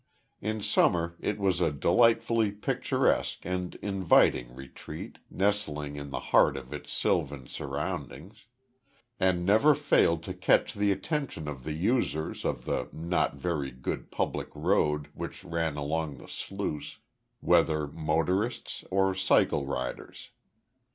In summer it was a delightfully picturesque and inviting retreat, nestling in the heart of its sylvan surroundings, and never failed to catch the attention of the users of the not very good public road which ran along the sluice, whether motorists or cycle riders.